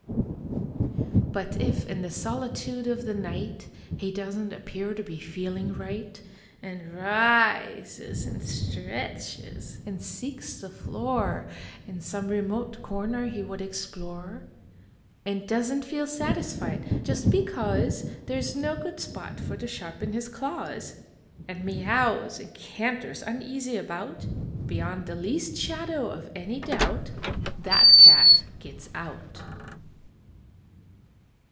But if in the solitude of the night He doesn t appear to be feeling right. And rises and stretches and seeks the floor And some remote corner he would explore, And doesn t feel satisfied just because There s no good spot for to sharpen his claws, And meows and canters uneasv about, Beyond the least shadow of an} doubt That cat gits out.